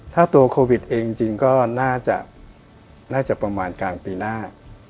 ถ้าตัวโควิดเองจริงก็น่าจะน่าจะประมาณกลางปีหน้า